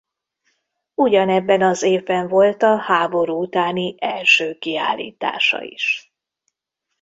Ugyanebben az évben volt a háború utáni első kiállítása is.